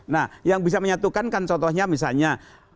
nah yang bisa menyatukan kan contohnya misalnya